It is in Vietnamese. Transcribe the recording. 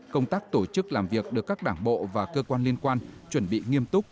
công tác tổ chức làm việc được các đảng bộ và cơ quan liên quan chuẩn bị nghiêm túc